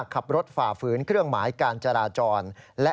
ฝ่าฝืนเครื่องหมายการจราจร